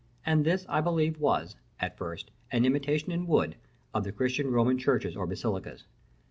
And this I believe was, at first, an imitation in wood of the Christian Roman churches or basilicas.